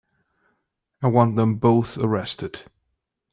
I want them both arrested.